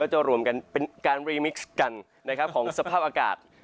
จะรวมกันเป็นการรีมิกซ์กันของสภาพอากาศ